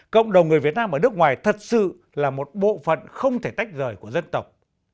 cộng đồng người việt nam ở nước ngoài thật sự là một bộ phận không thể tách rời của dân tộc